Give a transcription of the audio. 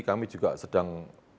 kami juga sedang